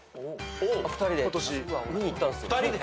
２人で見に行ったんです。